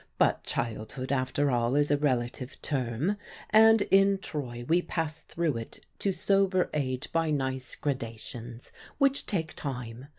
But childhood, after all, is a relative term, and in Troy we pass through it to sober age by nice gradations; which take time.